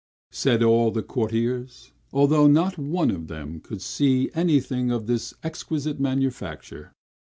said all the courtiers, although not one of them could see anything of this exquisite manufacture.